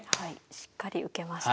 しっかり受けました。